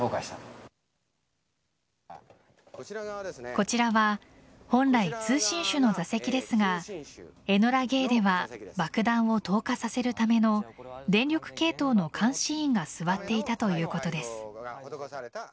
こちらは本来通信手の座席ですが「エノラ・ゲイ」では爆弾を投下させるための電力系統の監視員が座っていたということです。